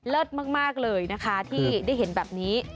มากเลยนะคะที่ได้เห็นแบบนี้